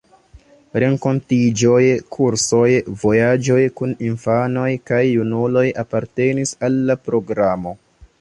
Renkontiĝoj, kursoj, vojaĝoj kun infanoj kaj junuloj apartenis al la programo.